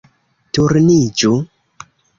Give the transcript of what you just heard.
Turniĝu